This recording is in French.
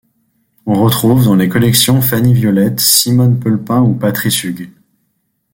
On retrouve dans les collections Fanny Viollet, Simone Pheulpin ou Patrice Hugues.